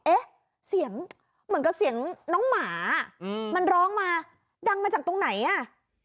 เอ๊ะเสียงเหมือนกับเสียงน้องหมามันร้องมาดังมาจากตรงไหนอ่ะ